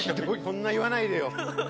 「そんな言わないでよ」